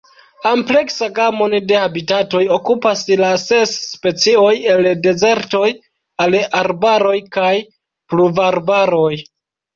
Ampleksa gamon de habitatoj okupas la ses specioj, el dezertoj al arbaroj kaj pluvarbaroj.